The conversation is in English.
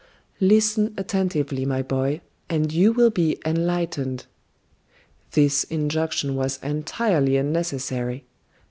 Listen attentively, my boy, and you will be enlightened." This injunction was entirely unnecessary.